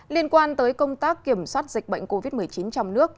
liên quan tới công tác kiểm soát dịch bệnh covid một mươi chín trong nước